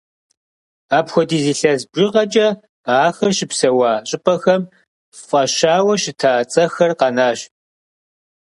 Апхуэдиз илъэс бжыгъэкӏэ ахэр щыпсэуа щӏыпӏэхэм фӏащауэ щыта цӏэхэр къэнащ.